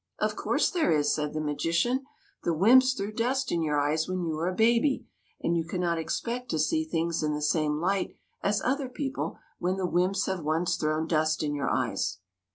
" Of course there is/' said the magician :" the wymps threw dust in your eyes when you were a baby ; and you cannot expect to see things in the same light as other people when the wymps have once thrown dust in your eyes."